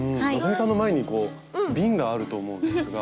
希さんの前にビンがあると思うんですが。